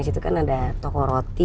di situ kan ada toko roti